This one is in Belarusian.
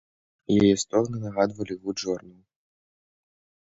Яе стогны нагадвалі гуд жорнаў.